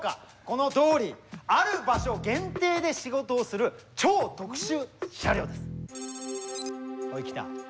このドーリーある場所限定で仕事をする超特殊車両です。